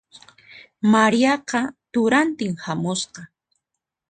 Mariaqa turantin hamusqa.